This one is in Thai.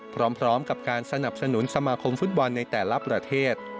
พร้อมกับการสนับสนุนสมาคมฟุตบอลในแต่ละประเทศ